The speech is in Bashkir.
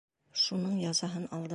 Шуның язаһын алдым.